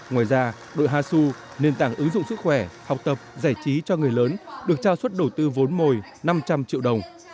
ngoài ra đội hasu nền tảng ứng dụng sức khỏe học tập giải trí cho người lớn được trao suất đầu tư vốn mồi năm trăm linh triệu đồng